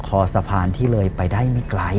คอสะพานที่เลยไปได้ไม่ไกล